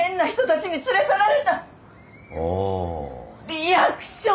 リアクション！